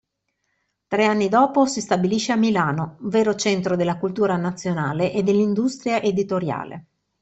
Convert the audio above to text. Tre anni dopo si stabilisce a Milano, vero centro della cultura nazionale e dell'industria editoriale.